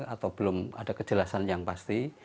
atau belum ada kejelasan yang pasti